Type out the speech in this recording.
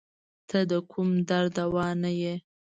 ته د کوم درد دوا نه یی